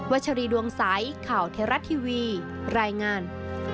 ชรีดวงใสข่าวเทราะทีวีรายงาน